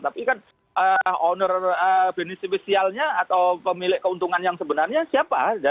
tapi kan owner benisifisialnya atau pemilik keuntungan yang sebenarnya siapa